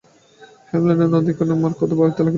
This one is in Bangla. হেমনলিনী নলিনাক্ষের মার কথা ভাবিতে লাগিল।